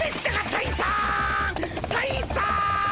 ・たいさん！